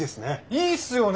いいっすよね。